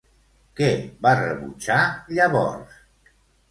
Què va rebutjar llavors?